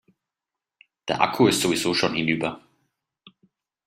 Der Akku ist sowieso schon hinüber.